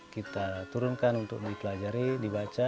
kita turunkan untuk dipelajari dibaca